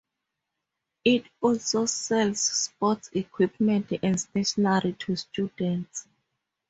It also sells sports equipment and stationery to students.